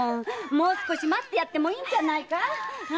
もう少し待ってやってもいいんじゃないか？